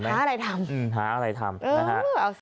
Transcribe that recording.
หาอะไรทำเออเอาซะหน่อย